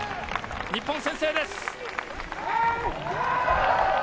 日本、先制です。